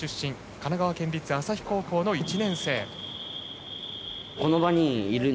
神奈川県立旭高校の１年生。